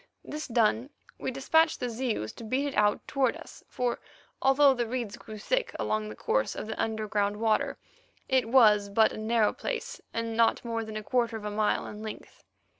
This done, we dispatched the Zeus to beat it out towards us, for although the reeds grew thick along the course of the underground water, it was but a narrow place, and not more than a quarter of a mile in length.